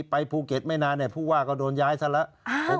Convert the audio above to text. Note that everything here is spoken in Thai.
ไปภูเก็ตไม่นานผู้ว่าก็โดนย้ายซะแล้ว